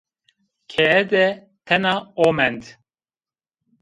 Keye de tena o mend